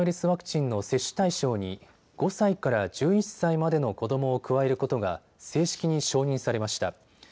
ワクチンの接種対象に５歳から１１歳までの子どもを加えることが正式に承認されました。